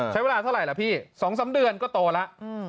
ใช้เวลาเท่าไหร่ล่ะพี่๒๓เดือนก็โตแล้ว